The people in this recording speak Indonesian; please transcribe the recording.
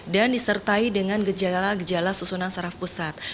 dan disertai dengan gejala gejala susunan saraf pusat